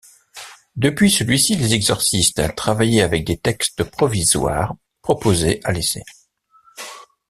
Depuis celui-ci, les exorcistes travaillaient avec des textes provisoires proposés à l'essai.